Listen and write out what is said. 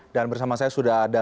dan bersama saya sudah ada